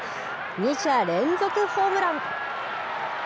２者連続ホームラン。